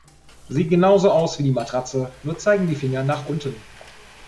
Sieht genauso aus wie die Matratze, nur zeigen die Finger nach unten.